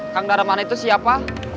kang darman itu siapa